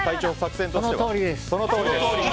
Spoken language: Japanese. そのとおりです。